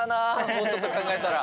もうちょっと考えたら。